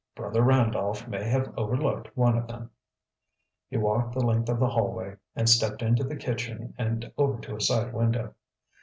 "Brother Randolph may have overlooked one of them." He walked the length of the hallway, and stepped into the kitchen and over to a side window.